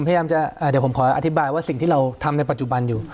พยายามจะเดี๋ยวผมขออธิบายว่าสิ่งที่เราทำในปัจจุบันอยู่